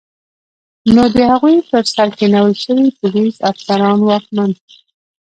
نو د هغوی پر سر کینول شوي پولیس، افسران، واکمن